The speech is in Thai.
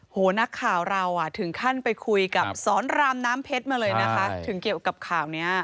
นักข่าวเราถึงขั้นไปคุยกับสอนรามน้ำเพชรมาเลยนะคะถึงเกี่ยวกับข่าวนี้